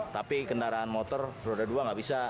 tapi kendaraan motor roda dua nggak bisa